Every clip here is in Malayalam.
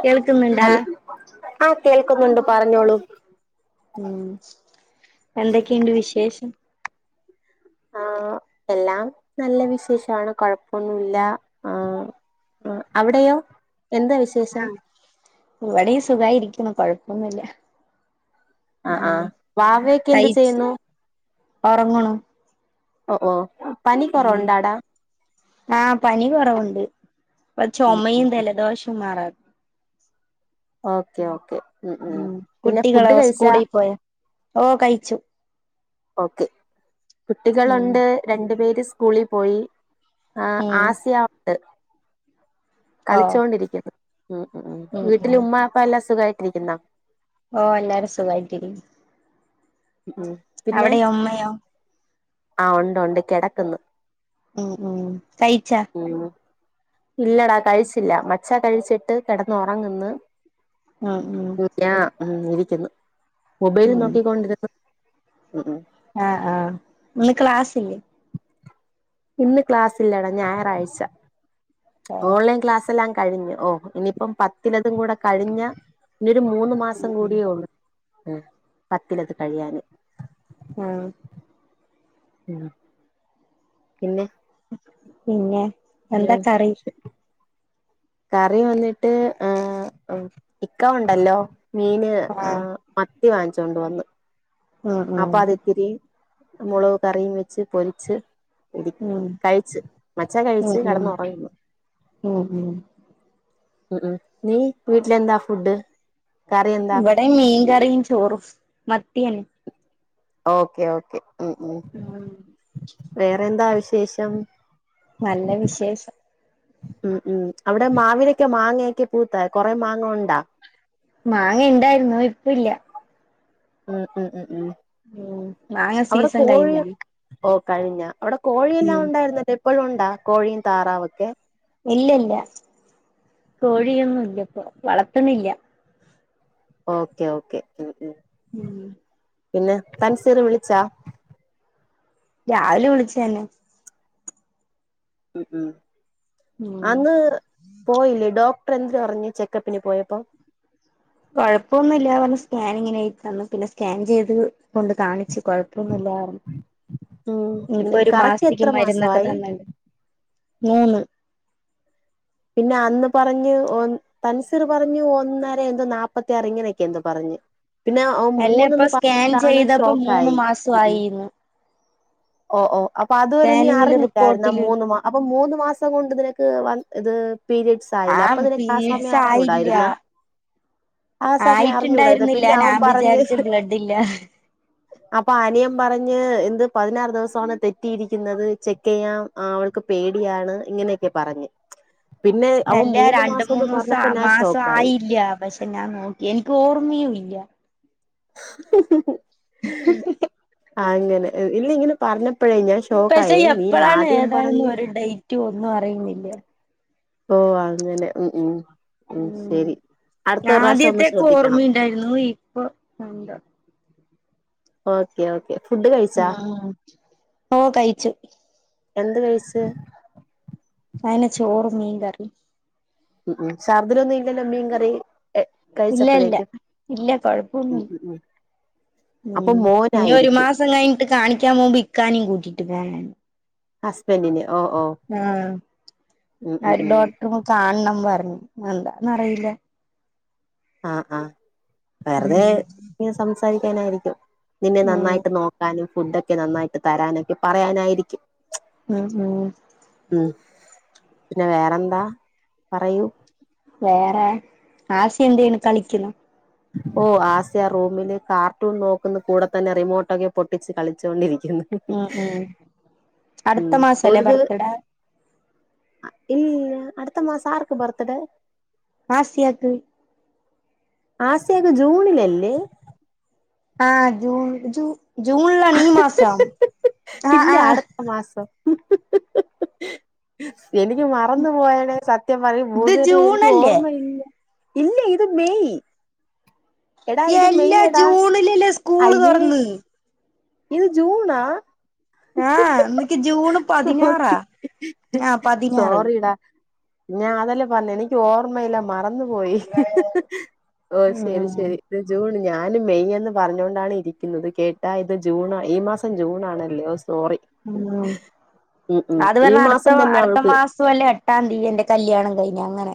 കേൾക്കുന്നുണ്ടാ അൽ ആ കേൾക്കുന്നുണ്ട് പറഞ്ഞോളൂ ഉം എന്തൊക്കെയുണ്ട് വിശേഷം ആ എല്ലാം നല്ല വിശേഷാണ് കുഴപ്പൊന്നുല്ല ആ അവിടെയോ എന്താ ആ വിശേഷം ഇവിടേയും സുഖമായിരികുന്നു കുഴപ്പൊന്നില്ല ആ ആ വാവയൊക്കെ എന്ത് ചെയ്യുന്നു ഉറങ്ങുണു ഓ ഓ പനി ഉം കൊറവുണ്ടാടാ ആ പനി കൊറവുണ്ട് ഇപ്പം ഉം ചുമയും ജലദോഷവും മാറാതെ ഓക്കെ ഓക്കേ ഉം ഉം പിന്നെ ഫുഡ് കുട്ടികളോ കഴിച്ച സ്കൂളിൽ പോയോ ഓ കഴിച്ചു ഓക്കെ ഉം കുട്ടികളുണ്ട് രണ്ടു പേര് സ് കൂളി പോയി ആ ഉം ആസിയർട്ട്‌ ഓ കളിച്ചോണ്ടിരിക്കുന്നു ഉം ഉം ഉം വീട്ടില് ഉമ്മഅപ്പ എല്ലാ സു സുഖയിട്ടിരിക്കുന്നാ ഓ എല്ലാരും സുഖായിട്ടി ഉം പിന്നെ അവിടെയോ ഉമ്മയോ ആ ഉണ്ട് ഉണ്ട് കിടക്ന്ന് ഉം ഉം കഴിച്ചാ ഇല്ലടാ കഴിച്ചില്ല മ്മിച്ച കഴിച്ചിട്ട് കിടന്ന് ഉറങ്ങ്ന്ന് ഉം ഉം ഞാ [unintelligible] ന്നു മൊബൈൽ നോക്കികൊണ്ടിരുന്ന ഉ ഊം ആ ആ ഇന്ന് ക്ലാസില്ലേ ഇന്ന് ക്ലാസില്ലെടാ ഞായറാഴ്ച ഓ ഓൺലൈൻക്ലാസ് സെല്ലാം കഴിഞ്ഞ് ഓ ഇനിയിപ്പം പത്തിലതും കൂടെ കഴിഞ്ഞ ഇനിയൊരു മൂന്ന് ഉം മാസം ഉം കൂടിയേ ഒള്ളു മ്മ് പത്തിലെത് കഴിയാന് ആ മ്മ് പിന്നെ പിന്നെ എന്താ കറി കറി വന്നിട്ട് ആ ഇക്ക ഉണ്ടല്ലോ മീന് ആ ആഹ് മത് ത്തി വാങ്ങിച്ചൊണ്ട് വന്ന് ഉം അപ്പാ ഉം അത് ഇത്തിരി മൊളക് കറിയും വെച്ച് പൊരിച്ച് കൂടി ഉം കഴിച്ച് മച്ചാൻ കഴിച്ച് ഉം ഉം കടന്ന് ഒറങ്ങുന്നു ഉം ഉം ഉം ഉം നീ വീട്ടിലെന്താ ഫുഡ് കറി എന്താ വടെ മീൻ കറിം ചോറും മത്തിയന്നെ ഓക്കെ ഓക്കെ മ്മ് മ്മ് ഉം വേറെ എന്താ വിശ ശേഷം നല്ല വിശേഷം മ്മ് മ്മ് അവിടെ മാവിലൊക്കെ മാങ്ങയൊക്കെ പൂത്താ കൊറേ മാങ്ങ ഒണ്ടാ മാങ്ങ ഇണ്ടായിരുന്നു ഇപ്പ ഇല്ല മ്മ് മ്മ് മ്മ് മ്മ് മ്മ് മാങ്ങ സീസൻ കൈഞല്ലെ ഓ കഴിഞ്ഞ അവിടെ കോഴിയെല്ലാം ഒണ്ടായിരുന്നല്ലേ ഇപ്പോഴുണ്ടാ കോഴിയും താറാവൊക്കെ ഇല്ല ഇല്ല കോഴിയൊന്നും ഇല്ല ഇപ്പോ വളർത്ത്ണില്ല ഓക്കെ ഓക്കേ മ്മ് പിന്നെ തൻസീറ് വിളിച്ചാ രാവിലെ വിളിച്ചേന്നെ മ്മ് മ്മ് മ്മ് പോയില്ലേ ഡോക്ടർ എന്ത് പറഞ്ഞു ചെക്കപ്പിന് പോയപ്പം കൊഴപ്പൊന്നില്ല പറഞ്ഞ് സ്കാനിങ്ങിന് എഴുതി തന്നു പിന്നെ സ്കാൻ ചെയ്ത് കൊണ്ട് കാണിച്ചു കൊഴപ്പൊന്നുല്ല ഉം ഇനിയിപ്പം ഒരു കറക്റ്റ് മാസത്തേക്ക് എത്ര മരുന്നൊക്കെ മാസമായി തന്ന്ണ്ട് മൂന്ന് പിന്നെ അന്ന് പറഞ്ഞു ഒന്ന് തൻസീർ പറഞ്ഞു ഒന്നര എന്തോ നാപ്പത്തിയാറ് ഇങ്ങനെയൊക്കെ എന്തോ പറഞ്ഞ് പിന്നെ അല്ല മൂന്നന്ന് അപ്പം സ്കാൻ പറഞ്ഞിട്ടാണ് ചെയ്തപ്പം മൂന്ന് ഷോക്കായി മാസം ആയിന്ന് ഓ ഓ അപ്പം അതുവരെ നീ അറിഞ്ഞില്ലായിരുന്നോ റിപ്പോർട്ടില് മൂന്ന് മാ അപ്പം മൂന്ന് മാസം കൊണ്ട് നിനക്ക് വ ഇത് പീരിഡ്സ് ആ ആയില്ല അപ്പം നിനക്ക് ആ പീരീഡ്സ് സമയം ആയില്ല അറിഞ്ഞൂടായിരുന്ന ആ സമയം അറിഞ്ഞൂടാരുന്നോ ആയിട്ടുണ്ടായിരുന്നില്ല പിന്നെ അവൻ ഞാൻ പറഞ്ഞ് വിചാരിച്ച് ബ്ലഡ് ഇല്ല അപ്പം അനിയൻ പറഞ്ഞ് എന്ത് പതിനാറ് ദിവസവാണ് തെറ്റിയിരിക്കുന്നത് ചെക്ക് ചെയ്യാം അവൾക്ക് പേടിയാണ് ഇങ്ങനെയൊക്കെ പറഞ്ഞ് പിന്നെ അവൻ അല്ല മൂന്ന് രണ്ട് മാസംന്ന് മൂന്ന് പറഞ്ഞപ്പോ ദിവസം ഞാൻ മാസം ഷോക്കായി ആയില്ല പക്ഷെ ഞാൻ നോക്കി എനിക്ക് ഓർമയയും ഇല്ല ആ അങ്ങനെ ഇല്ല ഇങ്ങനെ പറഞ്ഞ പക്ഷെ എപ്പഴാണ് ഏതാണെന്ന് പറഞ്ഞ് ഒരു ഡെയ്റ്റ് ഒന്നും അറിയൂല ഓ അങ്ങനെ ഉം ഉം ഉം അടുത്ത പ്രാവശ്യം ഒന്ന് ആദ്യത്തെക്കെ ശ്രദ്ധിക്കണം ഓർമ്മയുണ്ടായിരുന്നു ഇപ്പം എന്തോ ഓക്കെ ഓക്കെ ഫുഡ് കഴിച്ചാ ഓ കഴിച്ചു എന്ത് കഴിച്ച് അയിന ചോറും മീൻ കറി ഉം ശർദിലൊന്നും ഇല്ലല്ലോ മീൻകറി ഇല്ല ഇല്ല ഇല്ല ഉം കൊഴപ്പൊന്നുല്ല ഉം ഉം അപ്പൊ ഉം ഇനി ഒരു മോനായിരിക്കും മാസം കഴിഞ്ഞിട്ട് കാണിക്കാൻ പോവുമ്പം ഇക്കാനേം കൂട്ടി ട്ട് പോണം ഹസ്ബൻൻ്റിന് ഉം ആ ഉം ഉം ഡോക്ടറെ കാണണം പറഞ്ഞു എന്താന്ന് അറിയില്ല ആഹ് ആഹ് ഉം വെറുതെ ഇങ്ങനെ സംസാരിച്ച് സംസാരിക്കാനായിരിക്കും നിന്നെ ഉം നന്നായിട്ട് നോക്കാനും ഫുഡൊക്കെ നന്നായിട്ട് തരാനൊക്കെ പറയാനായിരിക്കും ഉം ഉം ഉം പിന്നെ വേറെന്താ പറയൂ വേറെ ആസിയ എന്താണ് കളിക്കുന്നോ ഓ ആസിയ റൂമില് കാർട്ടൂൺ നോക്കുന്ന കൂടെ തന്നെ റിമോട്ടൊക്കെ പൊട്ടിച്ച് കളിച്ചോണ്ടിരിക്കും ഉം ഉം അടുത്ത ഉം മാസമല്ലേ ഒരുത് ബർത്ത്ടാ അടുത്ത മാസം ആർക്ക് ബർത്ത് ഡേ ആസിയാക്ക് ആസിയക്ക് ജൂണിൽ അല്ലേ ആഹ ജൂൺ ജൂ ജൂണിലാണ് ഈ മാസം ആഹ് ഇല്ല ആഹ് അടുത്ത മാസം ഹി ഹി എനിക്ക് മറന്നു പോയി സത്യം പറഞ്ഞാൽ ഇത് മൂന്നു പേരെ എനിക്ക് ജൂണല്ലേ ഓർമ്മയില്ല ഇല്ല ഇത് മെയ്‌ എല്ലാ ജൂണിലല്ലേ സ്കൂൾ അയ്യേ തുറന്നത് ഇത് ജൂൺ ആണോ ആഹാ ഇന്ന് ജൂൺ പതിനാറാ സോറി ആ പതിനാറ് സോറിടാ ഞാൻ അതല്ല പറഞ്ഞേ എനിക്ക് ഓർമ്മല്ല മറന്ന പോയി അതെയോ ഓ ശരി ഉം ശരി ഞാൻ മെയ്‌ എന്ന് പറഞ്ഞുകൊണ്ടാണ് ഇരിക്കുന്നത് കേട്ടാ ജൂൺ ഈ മാസം ജൂൺ ആണല്ലേ ഉം ഉം അത് ഈ പറഞ്ഞ അടുത്ത മാസം തന്നെ അടുത്ത അവൾക്ക് മാസം അല്ലേ എട്ടാം തീയതി എന്റെ കല്യാണം കഴിയും പിന്നെ അങ്ങനെ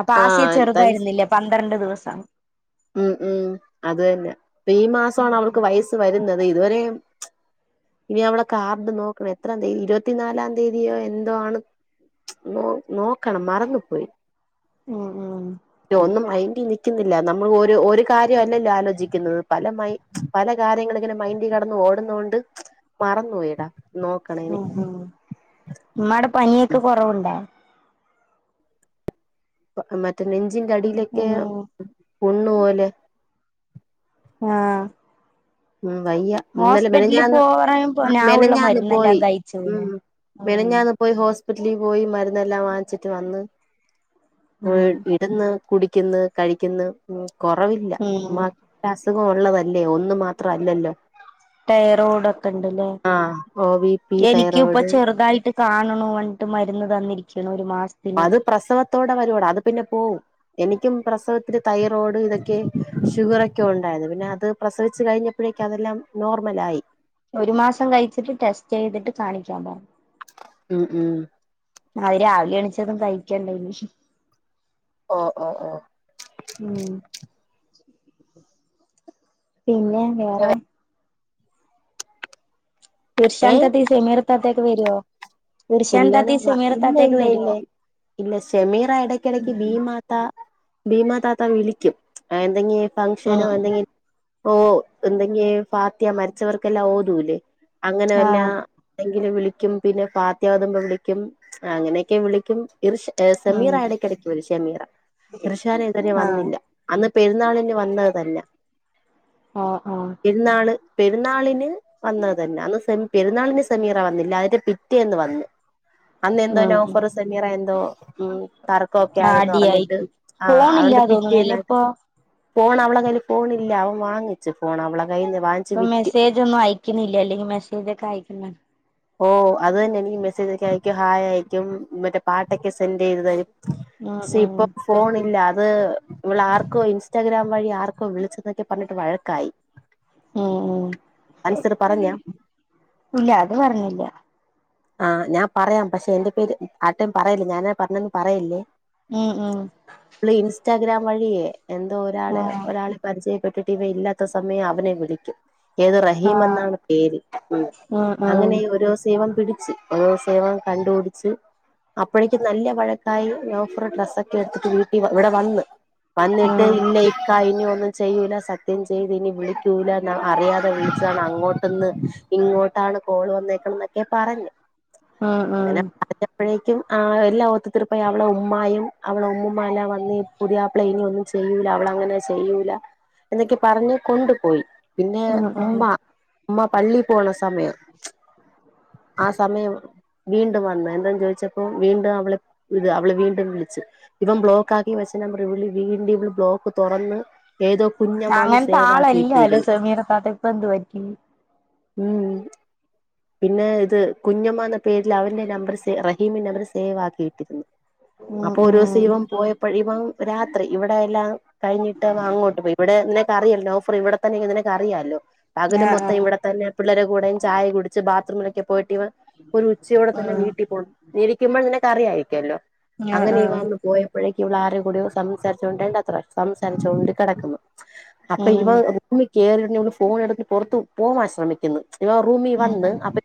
അപ്പൊ ആ ആസിയ താൻ ചെറുതായിരുന്നില്ലേ പന്ത്രണ്ട് ദിവസം ഉം അത് തന്നെ ഇപ്പൊ ഈ മാസമാണ് അവൾക്ക് വയസ്സ് വരുന്നത് ഇതുവരെയും ഇനി അവിടെ കാർഡ് നോക്കണം എത്രാം തീയതി ഇരുപത്തി നാലാം തീയതിയോ എന്തോണ് നോക്കണം മറന്നു പോയി ഉം ഉം നിക്കുന്നില്ല നമ്മൾ ഒരു ഒരു കാര്യ അല്ലല്ലോ ആലോചിക്കുന്നത് പല മൈ പല കാര്യങ്ങൾ ഇങ്ങനെ മൈന്റിൽ കടന്ന് ഓടുന്നതുകൊണ്ട് മറന്നു പോയിടാ ഉ ഉ മ്മടെ പനിയൊക്കെ കൊറവുണ്ട മ നി ന്റെടിയിലൊക്കെ ഉം പു ണ്ണു പോലെ ആ ആ ഹോസ്പിറ്റലിൽ പോറ ഞാ ഉള്ള മെനഞ്ഞാന്ന് മരുന്നെല്ലാം പോയി ഉം കഴിച്ചുന്നഉ മെനഞ്ഞാന്ന് പോയി ഹോസ്പിറ്റലിൽ പോയി മരന്ന്െല്ലാം വാങ്ങിച്ചിട്ട് വന്ന് ആ ഉം ഇടന്ന് കുടിക്കുന്ന്. കഴിക്കുന്ന്. ഉം. കൊറവില്ല. ഉം ഉമ്മാക്ക് ലാസ്റ്റ് അസുഖം ഉള്ളതല്ലേ ഒന്ന് മാത്രം. അത്ര അല്ലല്ലോ. തൈറോയിഡൊക്കെണ്ട്ല്ലേ. ആഹ് ഓ ബി പി എനിക്ക് ഇപ്പൊ തൈറോയ്ഡ് ചെറുതായിട്ട് കാണുണൂന്ന് മരുന്ന് തന്നിരിക്ക്ണു. അത് പ്രസവത്തോടെ വരുട. അത് പിന്നെ പോവും. എനിക്കും പ്രസവ ഇൻക്ക് തൈറോയ്ഡ് ഇതൊക്കെ ഷുഗറൊക്കെ ഉണ്ടായിന്. പിന്നെ അത് പ്രസവിച്ചു കഴിഞ്ഞപ്പോഴേക്ക് അതെല്ലാം നോർമലായി. ഒരു മാസം കഴിച്ചിട്ട് ടെസ്റ്റ് ചെയ്തിട്ട് കാണിക്കാൻ പറഞ്ഞു. ഉം. ഉം. അത് രാവിലെ എണിച്ച് കഴിക്കണ്ടേ.. ഇസ് ഓ. ഓ. ഓ. ഉം പിന്നെ വേറെ. ഏയ് ഒറ്റക്ക് വരോ. ഇല്ലണ വ ഇല്ല ഇല്ല ഇല്ല. ഇല്ല ഷമീറ എടക്കെടക്ക് ബീ മാത ഭീമാ താത്ത വിളിക്കും എന്തെങ്കി ഫംഗ്ഷനോ ആഹ് ഉം എന്തെങ്കിസും ഓ എന്തെങ്കി ഫാത്തിയാ മരിച്ചവർക്കെല്ലാം ഓതൂല്ലേ. അങ്ങനെല്ലാ.. ആഹ് ഇന്നെ വിളക്കും പിന്നെ പാർ ഉണ്ടാകുമ്പോ വിളിക്കും. അങ്ങനൊക്കെ വിളിക്കും. ഇർഷ ഷെമീറ ഇടയ്ക്കിടയ്ക്ക് വരും ഷെമീറ. ഇർഷാന ഇത്വരേ വന്നില്ല. അന്ന് പെരുന്നാളിന് വന്നത് തന്നെ. ആ. ആ. പെരുന്നാള് പെരുന്നാളിന് വന്നത് തന്നെ. അന്ന് സെ പെരുന്നാളിന് സെമീറ വന്നില്ല. അതിന്റെ പിറ്റേന്ന് വന്ന്. അന്ന് എന്തോ ഉം നൗഫർ ഷെമീറ എന്തോ.. ഉം. തർക്കമൊക്കെ ആ ആയെന്ന് അടി ആയി പറഞ്ഞിട്ട് ആഹ് ഫോണ് അതുകൊണ്ട് ഇല്ലാതോന്നണ ഇല്ല പിറ്റേന്ന് ഇപ്പ. ഫോൺ അവളെ കയ്ൽ ഫോണില്ല. അവൻ വാങ്ങിച്ചു ഫോൺ അവളെ. കയ്യിന്ന് വാങ്ങിച്ച് ഇപ്പ വിറ്റ് മെസ്സേജ്ന്നും അയ്ക്കുന്നില്ല. അല്ലെങ്കിൽ മെസേജൊക്കെ അയ്ക്കും. പിന്ന. ഓ അത് തന്നെ എനിക്ക് മെസ്സേജ് ഒക്കെ അയക്കും. ഹായ് അയക്കും. മറ്റേ പാട്ടൊക്കെ സെൻഡ് ചെയ്ത് തരും. ഉം സി ഇപ്പൊ ഉം ഫോൺ ഇല്ല. അത് ഇവൾ ആർക്കോംഇൻസ സ്റ്റാഗ്രാം വഴി ആർക്കോ വിളിച്ച്ന്നൊക്കെ പറഞ്ഞിട്ട് വഴക്കായി ഉം ഉ അൻസർ പറഞ്ഞ ഇല്ല അത് പറഞ്ഞില്ല ആഹ് ഞാൻ പറയാം പക്ഷെ എന്റെ പേര് ആർടേം പറയല്ലേ ഞാനാ പറഞ്ഞേന്ന് പറയല്ലേ ഉം ഉം ല്ല ഇന്സ്റ്റഗ്രാം വഴിയെ എന്തോ ഒരാള ആഹ് ഒരാളെ പരിചയ ട്ടിട്ടവ ഇല്ലാത്ത സമയം അവനെ വിളിക്കും ഏത് റഹീം ആഹ് എന്നാണ് പേര് ഉം ഉം അങ്ങനെ ഓരൂസഇവം ഒരൂസം ഇവൻ കണ്ടുപിടിച്ച് അപ്പോഴേക്കും നല്ല വഴക്കായി ലോഫർ ഡ്രസ്സൊക്കെ എടുത്തിട്ട് വീ ഇവിടെ വന്ന് വന്നിട്ട് ഉം ഇന്ന ക്ക ഇനി ഒന്നും ചെയ്യൂല സത്യം ചെയ്ത് ഇനി വിളിക്കൂല അറിയാതെ വിളിച്ചാണ് അങ്ങോട്ട്ന്ന് ഇങ്ങോട്ടാണ് കോള് വന്നേക്കണ എന്നൊക്കെ പറഞ്ഞു ഉം അങ്ങനെ ഉം പറഞ്ഞപ്പഴേക്കും ആ എല്ലാ ഒത്തുതീർപ്പായി അവളെ ഉമ്മായും അവളെ ഉമ്മുമ്മാ എല്ലാം വന്ന് പുതിയാപ്ലയിരുന്നൊന്നിച്ച് ഒന്നും ചെയ്യൂല അവളങ്ങനെ ചെയ്യൂല എന്നൊക്കെ പറഞ്ഞ് കൊണ്ടുപോയി പിന്നെ ഉം ഉം ഉമ്മ ഉമ്മ പള്ളി പോണ സമയം ആ സമയം വീണ്ടും വന്ന എന്താന്ന് ചോദിച്ചപ്പോ വീണ്ടും അവളെ ഇത് അവള് വീണ്ടും വിളിച്ചു ഇവൻ ബ്ലോക്ക് ആക്കി വെച്ച നമ്പർ വീണ്ടും ഇവള് ബ്ലോക്ക് തുറന്ന് ഏതോ കുഞ്ഞമ്മാന്ന് അങ്ങനത്തെ സേവ് ആക്കി ആളല്ലാല്ലോ ഇട്ടിരിക്കണ് സെമീറത്താത്ത ഇപ്പ എന്ത് പറ്റി ഉം പിന്നെ കുഞ്ഞമ്മ എന്ന പേരിൽ അവന്റെ നമ്പർ റഹീമിന്റെ നമ്പർ സേവ് ആക്കിയിട്ടിരുന്നു ഉം അപ്പൊ ഒരൂസ ഉം ഇവൻ പോയ ഇപ്പോഴിവൻ ഇപ്പം രാത്രി ഇവിടെയെല്ലാം കഴിഞ്ഞിട്ട് അങ്ങോട്ട് പോയി ഇവിടെ അറയല്ലോ ഓഫർ ഇവിടെത്തന്നെ നിനക്ക് അറിയാലോ പകല് ആഹ് മൊത്തം ആഹ് ഇവിടെ തന്നെ പിള്ളേരെ കൂടെയും ചായേം കുടിച്ച് ബാത്റൂമിലൊക്കെ പോയിട്ട് ഒരു ഉച്ചയോടെ തന്നെ ഉം വീട്ടിൽ പോണം ന്നിരിക്കുമ്പോ അറിയായിക്കല്ലോ ആഹ് അങ്ങനെ ആഹ് ഇവൻ അന്ന് പോയപ്പോഴേക്ക് ഇവളാരോ സംസാരിച്ചോണ്ടേണ്ടത്ര സംസാരിച്ചോണ്ട് കിടക്കുന്നു അപ്പൊ ഉം ഇവൻ കേറിയുടനെ ഇവൾ ഫോൺ എടുത്ത് പുറത്ത് പോവാൻ ശ്രമിക്കുന്നു ഇവൻ റൂമി വന്ന് അപ്പൊ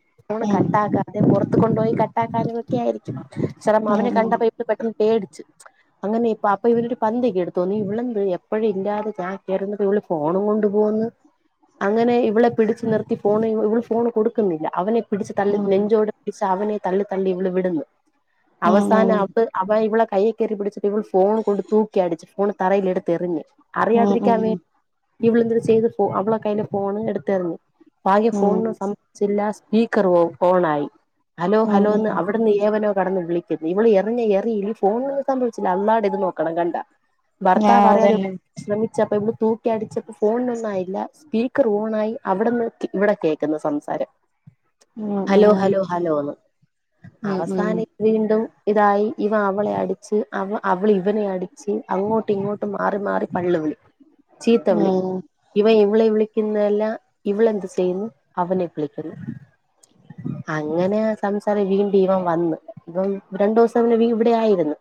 ഉം കട്ടാക്കാതെ പുറത്തു കൊണ്ടുപോയി കട്ടാക്കാ ആയിരിക്കും ചിലപ്പ ഉം അവനെ ഉം കണ്ടപ്പോ ഇവൾ പെട്ടെന്ന് പേടിച്ച് അങ്ങനെ അപ്പ ഇവനൊരു പന്തികേട് തോന്നി ഇവളിന്ന് എപ്പ ഇപ്പോയ ഇല്ലാതെ താൻ കയറി വന്നപ്പോ ഫോണും കൊണ്ട് പോവ്ന്ന് അങ്ങനെ ഇവളെ പിടിച്ചു നിർത്തി ഫോൺ ഇവള് ഫോൺ കൊടുക്കുന്നില്ല പിടിച്ച് ഉം തള്ളി ഉം നെഞ്ചോട് പിടിച്ചു അവനെ തള്ളി തള്ളി ഇവ്ള് വിടുന്നു ഉം ഉം ഉം അവസാനം അപ്പ അവന് ഇവളെ കയ്യിൽ കയറി പിടിച്ചു ഇവൾ ഫോൺ കൊണ്ട് തൂക്കി അടിച്ചു ഫോണ് തറയിലെടുത്ത് എറിഞ്ഞ് അറിയാതിരിക്കാൻ വേണ്ടി ഇവള് എന്തര് ചെയ്ത് അവള കയ്യില ഫോൺ എടുത്ത് എറിഞ്ഞ് ഭാഗ്യം ഫോണിന് ഒന്നും ഉം സംഭവിച്ചില്ല സ്പീക്കർ ഓണായി ഹലോ ഉം ഉം ഹലോന്ന് ഉം അവിടുന്ന് ഏവനോ കെടന്ന് വിളിക്കുന്ന് ഇവള് എറിഞ്ഞ എറിയിൽ ഫോണിന് ഒന്നും സംഭവിച്ചില്ല വിളിക്കാൻ പറ്റിയില്ല അല്ലാൻ്റെ ഇത് നോക്കണം കണ്ടാ ഭർത്താവ് ആഹ് അറിയാതെ ഇവൾ അതന്നെ ശ്രമ അപ്പ ഇവള തൂക്കി അടിച്ചപ്പ ഫോണിനൊന്നും ആയില്ല സ്പീക്കർ ഓണായി അവിടന്ന് ഇവിടെ കേൾക്കുന്ന് സംസാരം ഉം ഹലോ ഉം ഹലോ ഹലോന്ന് ഉം ഉം ഉം അവസാനം വീണ്ടും ഇതായി ഇവൻ അവളെ അടിച്ച് അവ അവള് ഇവനെ അടി അങ്ങോട്ടും ഇങ്ങോട്ട് മാറി മാറി പള്ളുവിളി ചീത്തവിളി ഇവൻ ഇവളെ വിളിക്കുന്ന് ല്ല ഇവളെന്ത് ചെയ്യുന്നു അവനെ വിളിക്കുന്നു അങ്ങനെ സംസാരം വീണ്ടും ഇവൻ വന്ന് ഇവൻ രണ്ടു ദിവസം ഇവൻ ഇവിടെ ആയിരുന്നു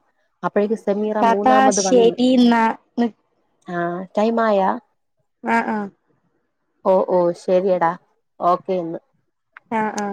അപ്പോഴേക്ക് സമീറ താത്താ മൂന്നാമത് വന്ന് ശെരിന്നാ ആ ടൈം ആയാ ആ ആ ഓ ശരിയടാ ഓക്കേ ഇന്ന് ആ ആ